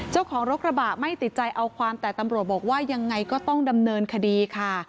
เจ้าของรถกระบะไม่ติดใจเอาความแต่ตำรวจบอกว่ายังไงก็ต้องดำเนินคดีค่ะ